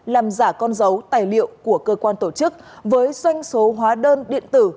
làm giả con dấu tài liệu của cơ quan tổ chức với doanh số hóa đơn điện tử